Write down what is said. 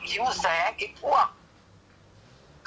แม่ยังคงมั่นใจและก็มีความหวังในการทำงานของเจ้าหน้าที่ตำรวจค่ะ